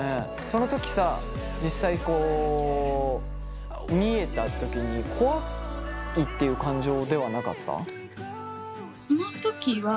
その時さ実際こう見えた時に怖いっていう感情ではなかった？